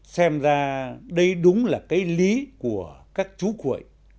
xem ra đây đúng là cái lý của các chú cuội